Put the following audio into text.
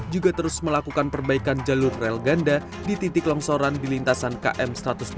juga terus melakukan perbaikan jalur rel ganda di titik longsoran di lintasan km satu ratus dua puluh